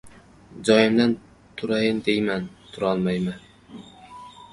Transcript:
Joyimdan turayin deyman — turolmayman.